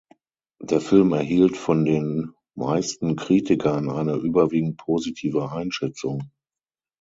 Der Film erhielt von den meisten Kritikern eine überwiegend positive Einschätzung.